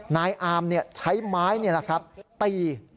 นายอามใช้ไม้ตี